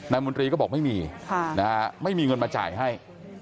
มนตรีก็บอกไม่มีไม่มีเงินมาจ่ายให้